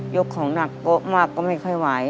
กของหนักโกะมากก็ไม่ค่อยไหว